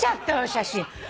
写真。